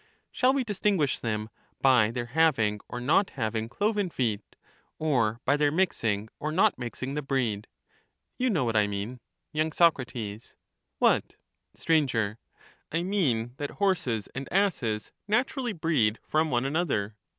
Shall we distinguish them by their having or not having cloven feet, or by their mixing or not mixing the breed ? You know what I mean. Y.Soc. What? Sir. I mean that horses and asses naturally breed from one another.